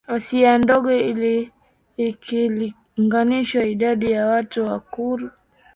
Asia Ndogo ikilinganisha idadi ya watu Wakurdi